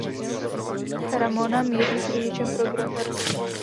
Ramona míří s řidičem pro gardu.